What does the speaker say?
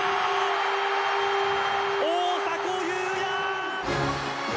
大迫勇也。